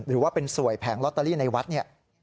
หรือว่าเป็นสวยแผงลอตเตอรี่ในวัดเนี่ย